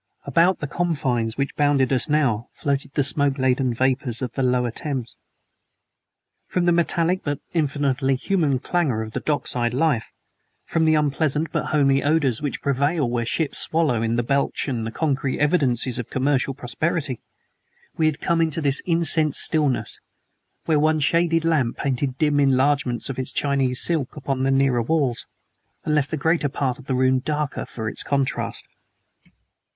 About the scented confines which bounded us now floated the smoke laden vapors of the Lower Thames. From the metallic but infinitely human clangor of dock side life, from the unpleasant but homely odors which prevail where ships swallow in and belch out the concrete evidences of commercial prosperity, we had come into this incensed stillness, where one shaded lamp painted dim enlargements of its Chinese silk upon the nearer walls, and left the greater part of the room the darker for its contrast.